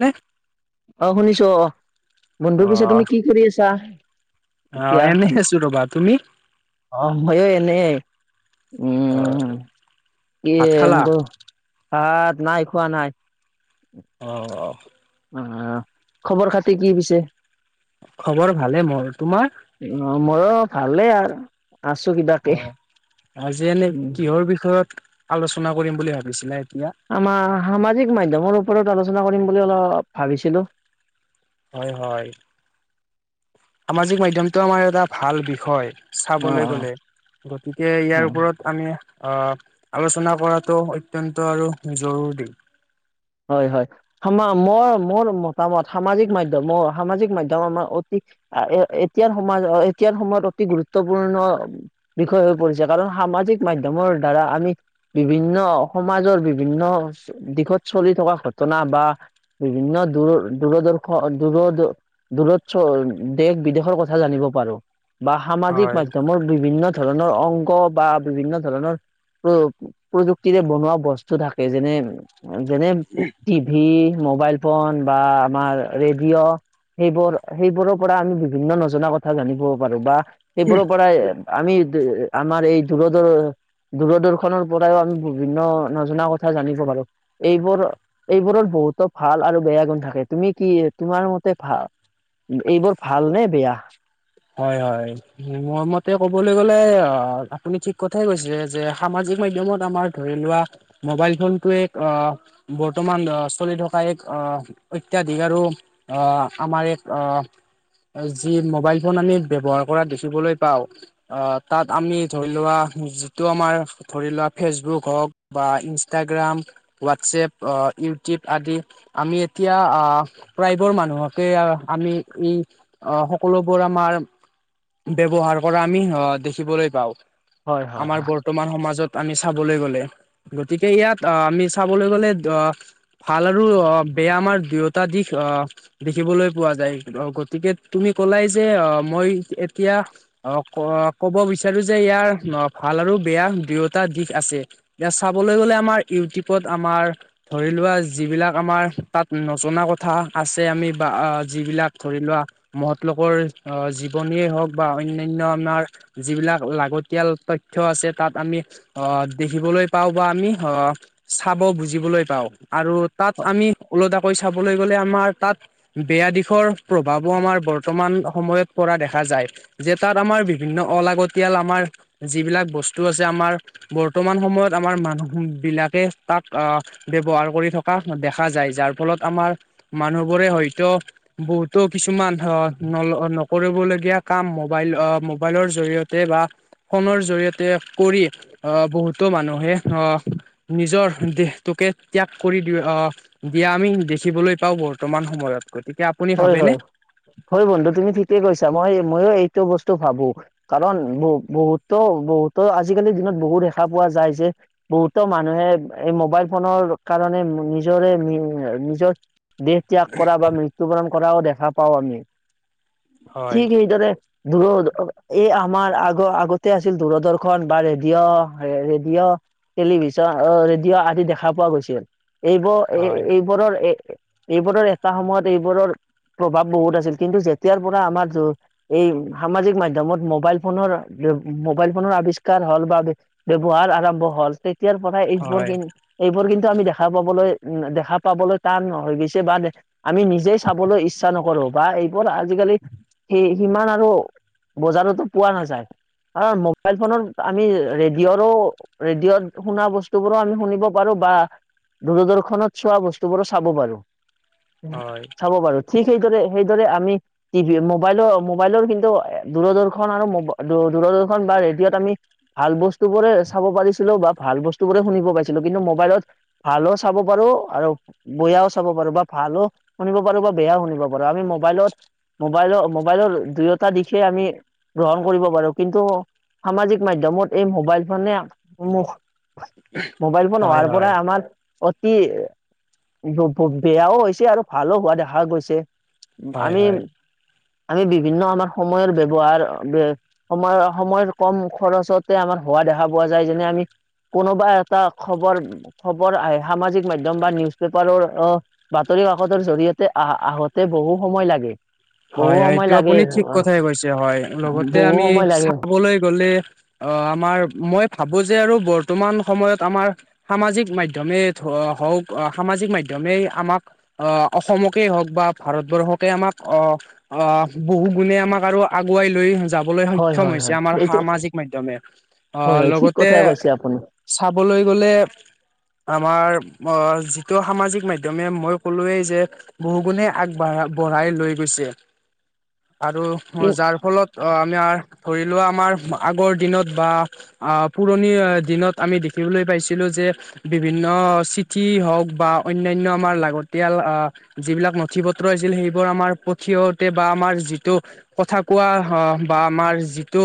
নেহ। অ' শুনিছো অঁ বন্ধু পিছে তুমি কি কৰি আছা? অঁ' এনেই আছো ৰ'বা তুমি? অঁ' মইও এনেই। অ', উম' কি ভাত খালা? ভাত নাই খোৱা নাই। অঁ অ' অঁ খবৰ খাতি কি পিছে? খবৰ ভালে মোৰ, তোমাৰ? মইও ভালেই আৰ- আছো কিবা- অঁ' আজি এনেই কিহৰ বিষয়ত আলোচনা কৰিম বুলি ভাবিছিলা এতিয়া? আমাৰ সামাজিক মাধ্যমৰ ওপৰত আলোচনা কৰিম বুলি অলপ ভাবিছিলোঁ। হয় হয়, সামাজিক মাধ্যমটো আমাৰ এটা ভাল বিষয়। অ চাবলে গ'লে, গতিকে অ ইয়াৰ অ ওপৰত- আমি আহ আলোচনা কৰাটো অত্যন্ত আৰু জৰুৰী। হয় হয়, হামা মই মোৰ মতামত সামাজিক মাধ্যম মই সামাজিক মাধ্যম আমাৰ অতি- হা‌ এ এতিয়াৰ সমাজ এতিয়াৰ সময়ত অতি গুৰুত্বপূৰ্ণ- বিষয় হৈ পৰিছে। কাৰণ সামাজিক মাধ্যমৰ দ্বাৰা আমি- বিভিন্ন সমাজৰ বিভিন্ন দিশত চলি থকা ঘটনা বা বিভিন্ন দূৰ দূৰদৰ্শন দূৰ দ দূৰত ছ দেশ বিদেশৰ কথা জানিব পাৰো বা সামাজিক হয়। মাধ্যমৰ বিভিন্ন ধৰণৰ অংগ বা বিভিন্ন ধৰণৰ প্ৰয়ো প্ৰযুক্তিৰে বনোৱা বস্তু থাকে যেনে যেনে টিভি, মোবাইল ফোন বা আমাৰ ৰেডিঅ। সেইবোৰ সেইবোৰৰ পৰা আমি বিভিন্ন নজনা কথা জানিব পাৰো বা সেইবোৰৰ পৰাই আমি দে এ এ আমাৰ এই দূৰ-ধূৰৰ। দূৰদৰ্শনৰ পৰাইও আমি বিভিন্ন নজনা কথা জানিব পাৰো। এইবোৰ এইবোৰৰ বহুতো ভাল আৰু বেয়া গুণ থাকে তুমি কি এ তোমাৰ মতে ভাল এইবোৰ ভাল নে বেয়া? হয় হয়। মোৰ মতে কবলৈ গ'লে অ অ অ, আপুনি ঠিক কথাই কৈছে যে সামাজিক মাধ্যমত আমাৰ ধৰি লোৱা মোবাইল ফোনটোৱে এক অ অ অ। বৰ্তমান দ অ অ স চলি থকা এক অ অ অ অত্যাধিক আৰু অ অ অ আহ আমাৰ এক অ অ অ যি মোবাইল ফোন আমি ব্যৱহাৰ কৰা দেখিবলৈ পাওঁ আহ তাত আমি ধৰি লোৱা যিটো আমাৰ ধৰি লোৱা ফেচবুক হওক বা ইনষ্টাগ্ৰাম হোৱাটচএপ অ অ অ ইউটিউব আদি। আমি এতিয়া আ আ আ প্ৰায়বোৰ মানুহকে অ অ আমি ই অ সকলো বোৰ আমাৰ ব্যৱহাৰ কৰা আমি অ অ অ দেখিবলৈ পাওঁ হয় হয় আমাৰ হয়। বত বৰ্তমান সমাজত আমি চাবলৈ গলে গতিকে ইয়াত আহ আমি চাবলৈ গ'লে দ ভাল আৰু অ অ অ, বেয়া আমাৰ দুয়োটা দিশ অ অ অ দেখিবলৈ পোৱা যায় ধৰক গতিকে তুমি কলাই যে অ অ অ মই এত এতিয়া অ ক অ অ কব বিচাৰো যে ইয়াৰ ন ভাল আৰু বেয়া দুয়োটা দিশ আছে। এতিয়া চাবলৈ গ'লে আমাৰ ইউটিউবত আমাৰ ধৰিলোৱা যিবিলাক আমাৰ তাত নজনা কথা আছে আমি বা আ আ যিবিলাক ধৰিলোৱা মহৎলোকৰ আহ জীৱনীয়ে হওক বা অন্যান্য আমাৰ এ এ যিবিলাক লাগতিয়াল তথ্য আছে তাত আমি অ অ অ আ দেখিবলৈ পাও বা আমি হ অ অ চাব বুজিবলৈ পাওঁ। আৰু তাত আমি ওলটা কৈ চাবলৈ গ'লে আমাৰ তাত বেয়া দিশৰ প্ৰভাৱো আমাৰ বৰ্তমান অহ সময়ত পৰা দেখা যায় যে তাত আমাৰ বিভিন্ন অলাগতিয়াল আমাৰ যিবিলাক বস্তু আছে আমাৰ বৰ্তমান সময়ত আমাৰ মানুহ বিলাকে তাক আ আ আ। ব্যবহাৰ কৰি থকা দেখা যায় যাৰ ফলত আমাৰ মানুহবোৰে হয়তো বহুতো কিছুমান ধৰ নল অহ অ নকৰিবলগীয়া কাম মোবাইল অ অ মোবাইলৰ জৰিয়তে বা ফোনৰ জৰিয়তে কৰি আহ বহুতো মানুহে আহ নিজৰ দেহটোকে ত্যাগ কৰি দি আহ দিয়া আমি দেখিবলৈ পাও বৰ্তমান সময়ত গতিকে আপুনি হয় ভাবেনে? হয়, হয় বন্ধু তুমি ঠিকে কৈছা মই মইয়ো এইটো বস্তু ভাবো। কাৰণ বহ বহুতো বহুতো আজিকালিৰ দিনত বহুত দেখা পোৱা যায় যে। বহুতো মানুহে এই মোবাইল ফোনৰ কাৰণে নিজৰে নি আ নিজৰ দেহ ত্যাগ কৰা বা মৃত্যুবৰণ কৰাও দেখা পাও আমি, হয় ঠিক সেইদৰে দূৰ অহ এই আমাৰ আগৰ আগতে আছিল দূৰদৰ্শন বা ৰেডিঅ' ৰেডিঅ'। টেলিভিশন আহ অ অ ৰেডিঅ' আদি দেখা পোৱা গৈছিল। এইবো হয় এইবোৰৰ এইবোৰৰ এটা সময়ত এইবোৰৰ প্ৰভাৱ বহুত আছিল, কিন্তু যেতিয়াৰ পৰা আমাৰ দ এই সামাজিক মাধ্যমত মোবাইল ফোনৰ ৱে মোবাইল ফোনৰ আৱিষ্কাৰ হ'ল বা ব্যৱহাৰ আৰম্ভ হ'ল, তেতিয়াৰ পৰাই এইবোৰ হয়। কি এইবোৰ কিন্তু আমি দেখা পাবলৈ উম দেখা পাবলৈ টান হৈ গেছে বা আমি নিজেই চাবলৈ ইচ্ছা নকৰো বা এইবোৰ আজিকালি সেই সিমান আৰু বজাৰতো পোৱা নাযায়। কাৰণ মোবাইল ফোনত আমি ৰেডিঅ'ৰো ৰেডিঅ'ত শুনা বস্তুবোৰো আমি শুনিব পাৰো বা দূৰদৰ্শনত চোৱা বস্তুবোৰো চা'ব পাৰো। হয় চাব পাৰো, ঠিক সেইদৰে সেইদৰে আমি টিভি, মোবাইল মোবাইলৰ কিন্তু দূৰদৰ্শন আৰু দূৰদৰ্শন বা ৰেডিঅ'ত আমি ভাল বস্তু বোৰে চাব পাৰিছিলো বা ভাল বস্তু বোৰে শুনিব পাইছিলো, কিন্তু মোবাইলত ভালো চাব পাৰো আৰু বয়াও চাব পাৰো বা ভালো শুনিব পাৰো বা বেয়াও শুনিব পাৰো। আমি মোবাইলত মোবাইল মোবাইলৰ দুয়োটা দিশে আমি গ্ৰহণ কৰিব পাৰো, কিন্তু সামাজিক মাধ্যমত এই মোবাইল ফোনে মোক মোবাইল ফোন অহাৰ পৰা হয় আমাৰ অতি এ যো পো বেয়াও হৈছে আৰু ভালো হোৱা দেখা গৈছে। হয় আমি হয় আমি বিভিন্ন আমাৰ সময়ৰ ব্যৱহাৰ বে সময়ৰ সময়ত ক'ম খৰচতে আমাৰ হোৱা দেখা পোৱা যায়, যেনে আমি কোনোবা এটা খবৰ খবৰ আহ সামাজিক মাধ্যম বা নিউজ পেপাৰৰ অ'হ বাতৰি কাকতৰ জৰিয়তে আ আহোঁতে বহু সময় লাগে। বহু হয় হয় সময় এটো লাগে আপুনি ঠিক আহ, কথাই কৈছে হয়। লগতে বহু আমি সময় লাগে চাবলৈ গ'লে অ' আমাৰ মই ভাবো যে আৰু বৰ্তমান সময়ত আমাৰ সামাজিক মাধ্যমেই ধ হওঁক সামাজিক মাধ্যমেই আমাক অ' অসমকেই হওঁক বা ভাৰতবৰ্ষকে আমাক অ' অ' বহু গুণে আমাক আৰু আগুৱাই লৈ যাব বলৈ হয় সক্ষম হয় হৈছে হয় আমাৰ এইটো সামাজিক মাধ্যমে হয় অঁ হয় ঠিক লগতে কথাই কৈছে আপুনি চাবলৈ গ'লে আমাৰ অ' যিটো সামাজিক মাধ্যমে মই ক'লোৱেই যে বহু গুণে আগবাঢ়া বঢ়াই লৈ গৈছে, আৰু কিন যাৰ ফলত অ' আমাৰ ধৰি লোৱা আমাৰ আগৰ দিনত বা আঁহ পুৰণি অ দিনত আমি দেখিবলৈ পাইছিলো যে বিভিন্ন চিঠি হওঁক বা অন্যান্য আমাৰ লাগতিয়াল আহ' যিবিলাক নথি পত্ৰ আছিল, সেইবোৰ আমাৰ ফট থিহতে বা আমাৰ যিটো কথা হ' কোৱা বা আমাৰ যিটো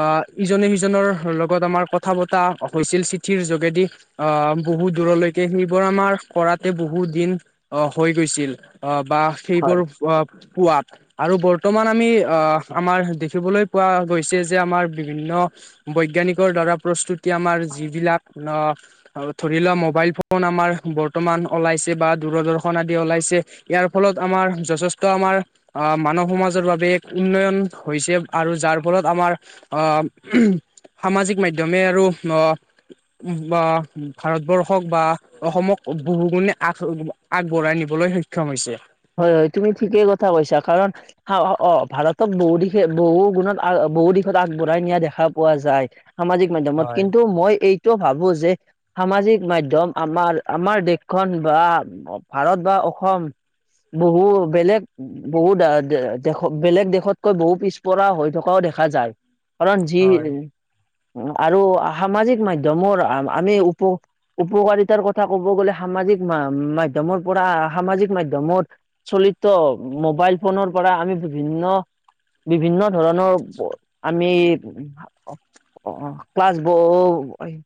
আহ' ইজনে সিজনৰ লগত আমাৰ কথা পতা হৈছিল, চিঠিৰ যোগেদি। আ বহু দূৰলৈকে সেইবোৰ আমাৰ কৰাতে বহুত দিন অহ হৈ গৈছিল আহ বা হয় সেইবোৰ ৱা পোৱাত আৰু বৰ্তমান আমি অ'হ আহ আমাৰ দেখিবলৈ পোৱা গৈছে যে আমাৰ বিভিন্ন বৈজ্ঞানিকৰ দ্বাৰা প্ৰস্তুতি আমাৰ যিবিলাক আহ' আৰু ধৰি লোৱা মোবাইল ফো'ন আমাৰ বৰ্তমান ওলাইছে বা দূৰদৰ্শন আদি ওলাইছে। ইয়াৰ ফলত আমাৰ যথেষ্ট আমাৰ আহ মানৱ সমাজৰ বাবে এক উন্নয়ন হৈছে আৰু যাৰ ফলত আমাৰ অ', সামাজিক মাধ্যমে আৰু [unintelligible] বা ভাৰতবৰ্ষক বা অসমক বহুগুণে আগ [unintelligible] আগবঢ়াই নিবলৈ সক্ষম হৈছে। হয় হয় তুমি ঠিকেই কথা কৈছা কাৰণ হাও হাও অ', ভাৰতক বহু দিশে বহু গুণত আ, বহু দিশত আগবঢ়াই নিয়া দেখা পোৱা যায়। সামাজিক মাধ্যমত হয় কিন্তু মই এইটো ভাবোঁ যে সামাজিক মাধ্যম আমাৰ আমাৰ দেশখন বা ভাৰত বা অসম বহু বেলেগ বহুত [unintelligible] দেশ বেলেগ দেশতকৈ বহু পিছপৰা হৈ থকাও দেখা যায়। কাৰণ যি হয় [unintelligible] আৰু সামাজিক মাধ্যমৰ আম আমি উপ উপকাৰিতাৰ কথা ক'ব গ'লে সামাজিক মা মাধ্যমৰ পৰা সা সামাজিক মাধ্যমত চলিত মোবাইল ফোনৰ পৰা আমি বিভিন্ন বিভিন্ন ধৰণৰ [unintelligible] আমি [unintelligible] অ', অ', ক্লাছ [unintelligible]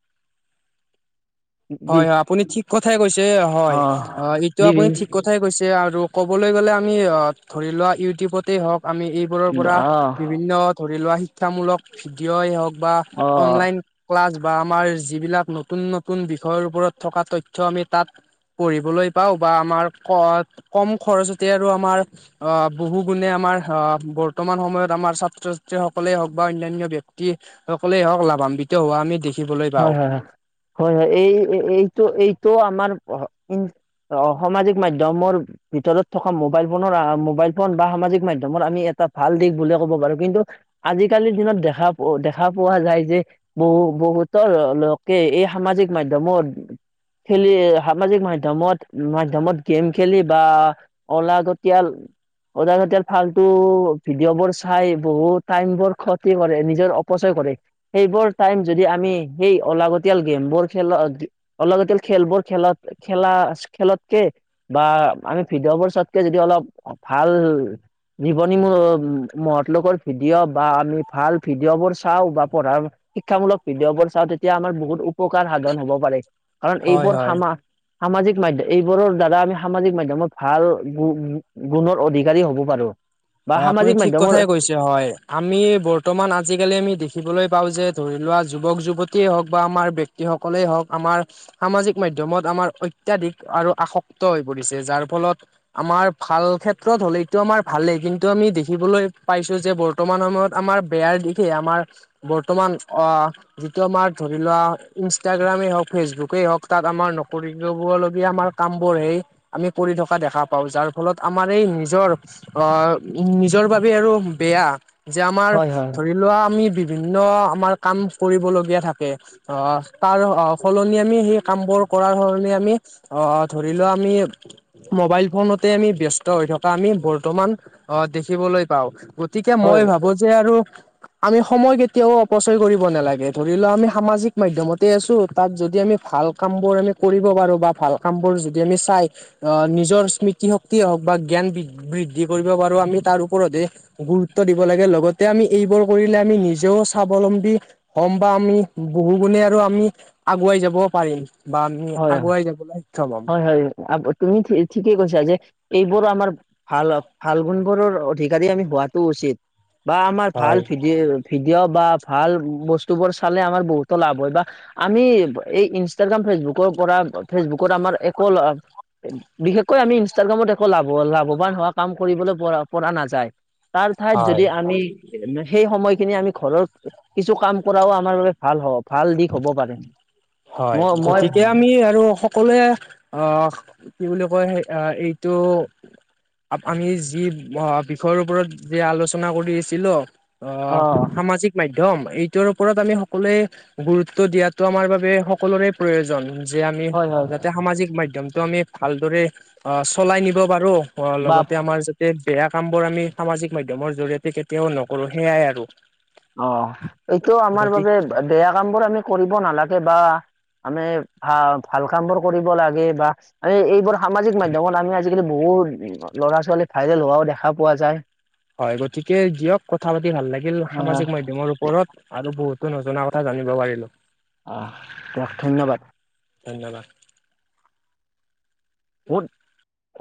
বি হয় হয় আপুনি ঠিক কথাই কৈছে অ হয় অ', এইটো আপুনি বিভিন ঠিক কথাই কৈছে আৰু ক'বলৈ গ'লে আমি আ, ধৰি লোৱা ইউটিউবতে হওঁক আমি এই বোৰৰ পৰা অ বিভিন্ন ধৰি লোৱা শিক্ষামূলক ভিডিঅই হওঁক বা অ অনলাইন ক্লাছ বা আমাৰ যিবিলাক নতুন নতুন বিষয়ৰ ওপৰত থকা তথ্য আমি তাত পঢ়িবলৈ পাওঁ বা আমাৰ [unintelligible] কম খৰচতে আৰু আমাৰ আ, বহু গুণে আমাৰ আ, বৰ্তমান সময়ত আমাৰ ছাত্ৰ ছাত্ৰী সকলে হওঁক বা অন্যান্য ব্যক্তিয়ে সকলে হওঁক লাভান্বিত হোৱা আমি দেখি হয় হয় হয় হয় হয় এই এ, এইটো এইটো আমাৰ [unintelligible] অ', সমাজিক মাধ্যমৰ ভিতৰত থকা মোবাইল ফোনৰ আ আ, মোবাইল ফোন বা সামাজিক মাধ্যমৰ আমি এটা ভাল দিশ বুলিয়ে ক'ব পাৰোঁ কিন্তু আজিকালিৰ দিনত দেখা পো দেখা পোৱা যায় যে বহু বহুত [unintelligible] লোকে এই সামাজিক মাধ্যমত খেলি সামাজিক মাধ্যমত মাধ্যমত গেম খেলি বা অলাগতিয়াল অলাগতিয়াল ফাল্টু ভিডিঅ' বোৰ চাই বহুত টাইম বোৰ ক্ষতি কৰে নিজৰ অপচয় কৰে। সেইবোৰ টাইম যদি আমি সেই অলাগতিয়াল গেমবোৰ খেল [unintelligible] অলাগতিয়াল খেলবোৰ খেলত খেলাচ খেলতকে বা আমি ভিডিঅ' বোৰ চোৱাতকে যদি অলপ ভাল নিৱনী মু মহৎলোকৰ ভিডিঅ' বা আমি ভাল ভিডিঅ'বোৰ চাওঁ বা পঢ়াৰ শিক্ষামূলক ভিডিঅ'বোৰ চাওঁ তেতিয়া আমাৰ বহুত উপকাৰ সাধন হ'ব পাৰে কাৰণ হয় এইবোৰ হয় সামা সামাজিক মাধ্য এইবোৰৰ দ্বাৰা আমি সামাজিক মাধ্যমত ভাল গু গু গুণৰ অধিকাৰী হ'ব পাৰোঁ। হয় আপুনি ঠিক কথাই কৈছে হয়। আমি বৰ্তমান আজিকালি আমি দেখিবলৈ পাওঁ যে ধৰি লোৱা যুৱক যুৱতীয়ে হওঁক বা আমাৰ ব্যেক তি সকলেই হওঁক আমাৰ সামাজিক মাধ্যমত আমাৰ অত্যাধিক আৰু আসক্ত হৈ পৰিছে যাৰ ফলত আমাৰ ভাল ক্ষেত্ৰত হ'লেইটো আমাৰ ভালেই কিন টো আমি দেখিবলৈ পাইছোঁ যে বৰ্তমান সময়ত আমাৰ বেয়াৰ দিশে আমাৰ বৰ্তমান অ', আ যিটো আমাৰ ধৰি লোৱা ইনষ্টাগ্ৰামেই হওঁক ফেচবুকেই হওঁক তাত আমাৰ নকৰিলগুৱা লগীয়া আমাৰ কামবোৰেই আমি কৰি থকা দেখা পাওঁ যাৰ ফলত আমাৰ এই নিজৰ অ', উ নিজৰ বাবে আৰু বেয়া যে আমাৰ হয় হয় ধৰি লোৱা আমি বিভিন্ন আমাৰ কাম কৰিবলগীয়া থাকে। অ' তাৰ সলনি আমি সেই কামবোৰ কৰাৰ সলনি আমি। অহ ধৰি লোৱা আমি মোবাইল ফোনতে আমি ব্যস্ত হৈ থকা আমি বৰ্তমান অ' দেখিবলৈ পাও গতিকে হয় মই ভাবো যে আৰু আমি সময় কেতিয়াও অপচয় কৰিব নালাগে, ধৰি লও আমি সামাজিক মাধ্যমতে আছো তাত যদি আমি ভাল। কামবোৰ আমি কৰিব পাৰো বা ভাল কাম বোৰ যদি আমি চাই। আহ নিজৰ স্মৃতিশক্তিয় হওক বা জ্ঞান বৃদ্ধি কৰিব পাৰো আমি তাৰ ওপৰতে। গুৰুত্ব দিব লাগে লগতে আমি এইবোৰ কৰিলে আমি নিজেও স্বাৱলম্বী। কম বাম আমি বহু গুণে আৰু আমি আগুৱাই যাব পাৰিম। বা আমি হয় আগুৱাই যাবলৈ সক্ষম হ'ম। হয় হয় [inaudible] তুমি ঠিকেই কৈছা যে, এইবোৰো আমাৰ ভাল ভাল গুণবোৰৰ অধিকাৰী আমি হোৱাতটো উচিত বা আমাৰ ভাল হয় ভিডিঅ' ভিডিঅ' বা ভাল বস্তুবোৰ চালে আমাৰ বহুতো লাভ হয় বা আমি এই ইনষ্টাগ্ৰাম ফেচবুকৰ পৰা ফেচবুকৰ আমাৰ একো লাভ বিশেষকৈ আমি ইনষ্টাগ্ৰামত একো লাভ লাভৱান হোৱা কাম কৰিবলৈ পৰা পৰা নাযায়। তাৰ ঠাইত হয় যদি আমি সেই সময়খিনি আমি ঘৰৰ কিছু কাম কৰাও আমাৰ বাবে ভাল হব ভাল দিশ হ'ব পাৰে হয় মই -মই গতিকে ভাবো। আমি আৰু সকলোৱে আহ কি বুলি কয় এইটো। আমি যি বিষয়ৰ ওপৰত যে আলোচনা কৰিছিলো। অ' সামাজিক মাধ্যম এইটোৰ ওপৰত আমি সকলোৱে গুৰুত্ব দিয়াটো আমাৰ বাবে সকলোৰে প্ৰয়োজন যে আমি হয় হয় যাতে সামাজিক মাধ্যমটো আমি ভালদৰে অ' চলাই নিব পাৰো অ' বা লগতে আমাৰ বেয়া কাম বোৰ আমি সামাজিক মাধ্যমৰ জৰি়য়তে কেতিয়াও নকৰো সেইয়াই আৰু। অ' এইটো আমাৰ গতিকে বাবে বেয়া কাম বোৰ আমি কৰিব নালাগে বা আমি ভাল কাম বোৰ কৰিব লাগে বা মানে এইবোৰ সামাজিক মাধ্যমত আমি আজিকালি বহুত ল'ৰা ছোৱালী ভাইৰেল হোৱাও দেখা পোৱা যায়। হয় গতিকে দিয়ক কথা পাতি ভাল লাগিল হয় হয়। সামাজিক মাধ্যমৰ ওপৰত। আৰু বহুতো নজনা কথা জানিব পাৰিলো। আ দিয়ক ধন্যবাদ। ধন্যবাদ। [unintelligible]